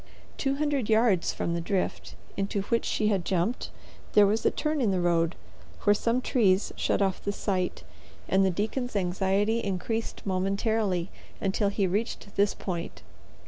Two hundred yards from the drift into which she had jumped there was a turn in the road, where some trees shut off the sight, and the deacon's anxiety increased momentarily until he reached this point.